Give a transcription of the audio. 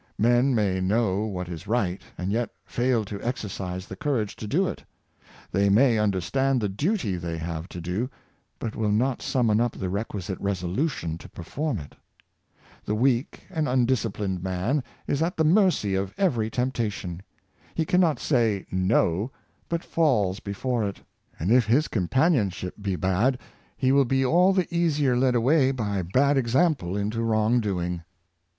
Men may know what is right, and yet fail to exercise the 458 The Virtue of Self hel p. courage to do it; they may understand the* duty they have to do, but will not summon up the requisite reso lution to perform it. The weak and undisciplined man is at the mercy of every temptation; he can not sa}^ " No," but falls before it. And if his companionship be bad, he will be all the easier led away by bad ex ample into wrong doing.